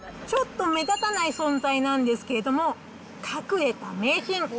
ちょっと目立たない存在なんですけれども、隠れた名品。